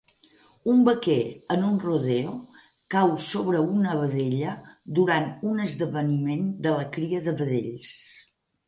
Un vaquer en un rodeo cau sobre una vedella durant un esdeveniment de la cria de vedells.